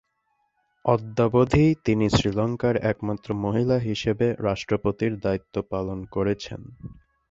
অদ্যাবধি তিনি শ্রীলঙ্কার একমাত্র মহিলা হিসেবে রাষ্ট্রপতির দায়িত্ব পালন করেছেন।